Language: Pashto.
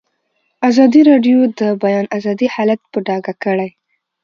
ازادي راډیو د د بیان آزادي حالت په ډاګه کړی.